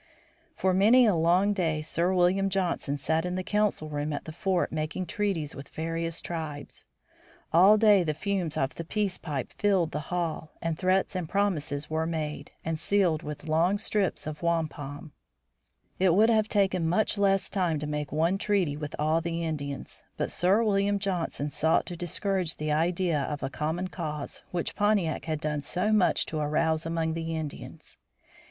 For many a long day Sir William Johnson sat in the council room at the fort making treaties with various tribes. All day the fumes of the peace pipe filled the hall, and threats and promises were made, and sealed with long strings of wampum. It would have taken much less time to make one treaty with all the Indians, but Sir William Johnson sought to discourage the idea of a common cause, which Pontiac had done so much to arouse among the Indians.